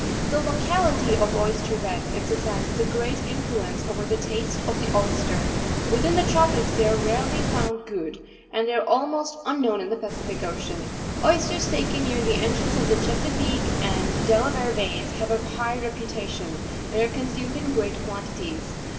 The locality of oyster beds exercises a great influence over the taste of the oyster; within the trepics they are rarely found good, and they are almost un known in the Pacific Ocean. Oysters taken near the entrance ef the Chesapeake and Delaware Bays have a high reputation, and are consumed in great quantities.